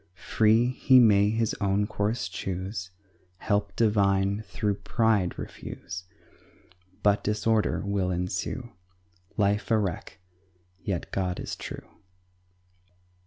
Free, he may his own course choose, Help divine through pride refuse, But disorder will ensue Life a wreck! Yet God is true.